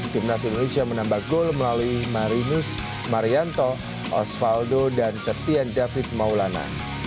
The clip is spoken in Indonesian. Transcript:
tim nas indonesia menambah gol melalui marinus marianto osvaldo dan setian david maulana